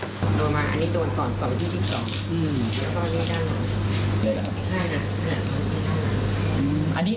อันนี้โดนก่อนออกไปที่ที่ไหน